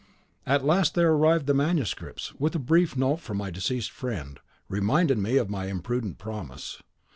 At last there arrived the manuscripts, with a brief note from my deceased friend, reminding me of my imprudent promise.